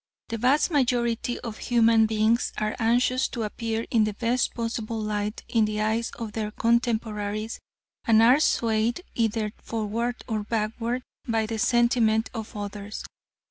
The vast majority of human beings are anxious to appear in the best possible light in the eyes of their contemporaries and are swayed either forward or backward by the sentiment of others.